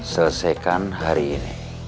selesaikan hari ini